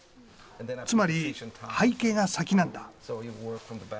つまり背景が先なんだ。